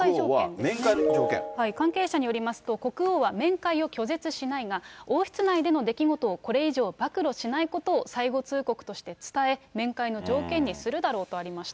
関係者によりますと、国王は面会を拒絶しないが、王室内での出来事をこれ以上暴露しないことを、最後通告として伝え、面会の条件にするだろうとありました。